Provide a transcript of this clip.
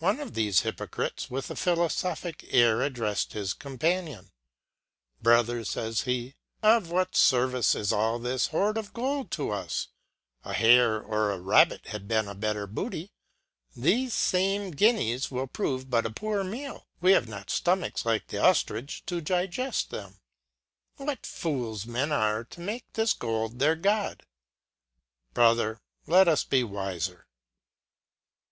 One of thefe hypocrites, with a philofophic air addrefled his companion. Brother, fays he, of what fervice is all this hoard of gold to us ? A hare, or a rabbit, had been a better booty. Thefe fame guineas will prove but a poor meal. We have not ftomachs, like the oflrich, to digefl them. What fools men are to make this gold their God ? Brother, let us be wifer.